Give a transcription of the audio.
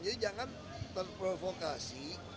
jadi jangan terprovokasi